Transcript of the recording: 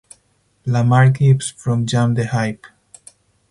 Lamar Gibbs from Jam the Hype!